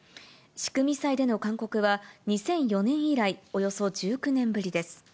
仕組み債での勧告は２００４年以来、およそ１９年ぶりです。